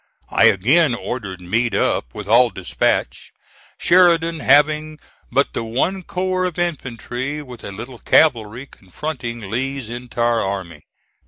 I again ordered Meade up with all dispatch, Sheridan having but the one corps of infantry with a little cavalry confronting Lee's entire army.